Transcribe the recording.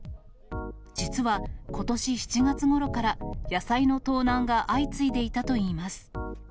実はことし７月ごろから、野菜の盗難が相次いでいたといいます。